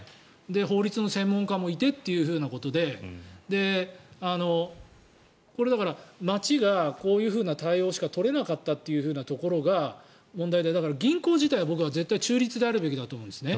法律の専門家もいてっていうことでだから、町がこういう対応しか取れなかったということが問題で銀行自体は中立であるべきだと思うんですね。